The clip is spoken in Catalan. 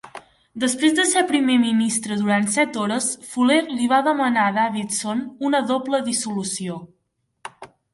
Després de ser primer ministre durant set hores, Fuller li va demanar a Davidson una doble dissolució.